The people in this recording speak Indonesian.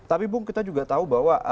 tapi bung kita juga tahu bahwa